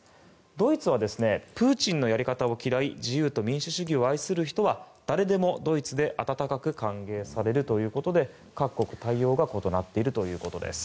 ドイツはプーチンのやり方を嫌い自由と民主主義を愛する人は誰でもドイツで温かく歓迎されるということで各国、対応が異なっているということです。